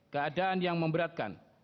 keadaan yang memberatkan